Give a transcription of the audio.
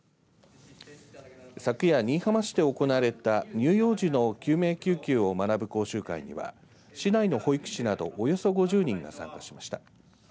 昨夜、新居浜市で行われた乳幼児の救命救急を学ぶ講習会には市内の保育士などおよそ５０人が参加しました。